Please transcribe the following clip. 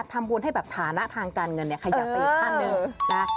ทำบุญให้แบบฐานะทางการเงินเนี่ยขยับไปอีกขั้นหนึ่งนะ